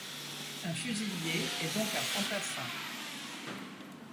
Un fusilier est donc un fantassin.